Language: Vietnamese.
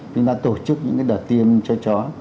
chúng ta tổ chức những đợt tiêm cho chó